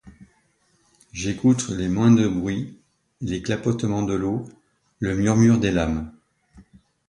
J’écoute les moindres bruits, les clapotements de l’eau, le murmure des lames.